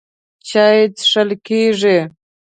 چای څښل کېږي.